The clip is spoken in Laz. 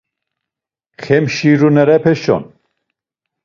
Xemşirunepeşon.